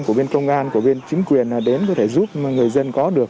của bên công an của bên chính quyền đến có thể giúp người dân có được